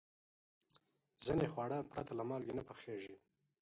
ځینې خواړه پرته له مالګې نه پخېږي.